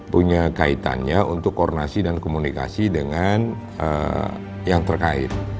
punya kaitannya untuk koordinasi dan komunikasi dengan yang terkait